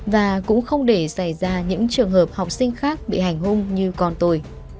và cũng không để xảy ra những trường hợp học sinh khác bị hành hung như con tôi